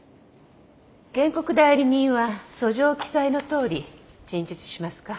原告代理人は訴状記載のとおり陳述しますか？